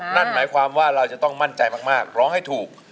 นั่นหมายความว่าเราจะต้องมั่นใจมากร้องให้ถูก